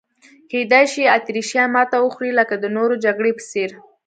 کېدای شي اتریشیان ماته وخوري لکه د نورو جګړو په څېر.